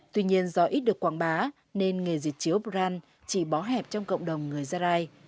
tuy nhiên do ít được quảng bá nên nghề diệt chiếu bran chỉ bó hẹp trong cộng đồng người gia rai